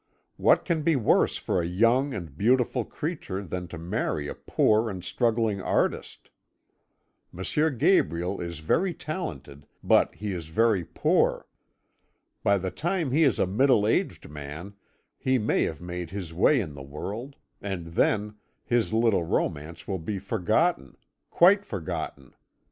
What can be worse for a young and beautiful creature than to marry a poor and struggling artist? M. Gabriel is very talented, but he is very poor. By the time he is a middle aged man he may have made his way in the world, and then his little romance will be forgotten quite forgotten.